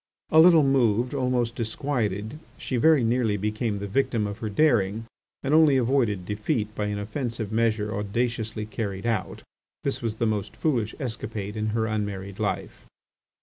A little moved, almost disquieted, she very nearly became the victim of her daring, and only avoided defeat by an offensive measure audaciously carried out. This was the most foolish escapade in her unmarried life.